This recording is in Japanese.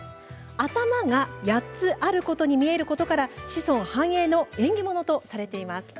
頭が８つあるように見えることから子孫繁栄の縁起物とされています。